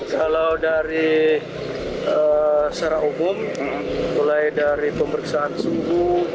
kalau dari secara umum mulai dari pemeriksaan suhu